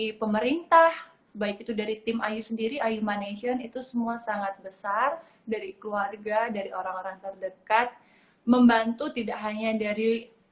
dari pemerintah baik itu dari tim ayu sendiri ayuma nation itu semua sangat besar dari keluarga dari orang orang terdekat membantu tidak hanya dari